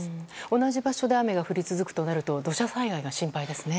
同じ場所で雨が降り続くとなると土砂災害が心配ですね。